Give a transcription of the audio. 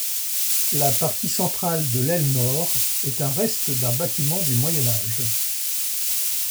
La partie centrale de l’aile nord est un reste d’un bâtiment du Moyen Âge.